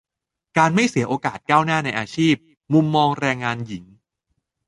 - การไม่เสียโอกาสก้าวหน้าในอาชีพ มุมแรงงานหญิง